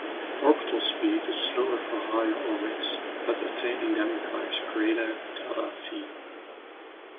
Orbital speed is slower for higher orbits, but attaining them requires greater delta-v.